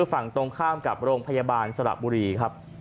ฝั่งตรงข้ามกับโรงพยาบาลสระบุรีครับ